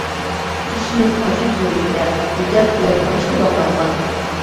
ئۇچرىشىمىز ئاشۇ كۆۋرۈكتە، ئىجاد بىلەن رىشتە باغلانغان.